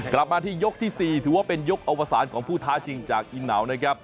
กลับมาที่ยกที่๔ถือว่าเป็นยกอวสารของผู้ท้าชิงจากอินหนาวนะครับ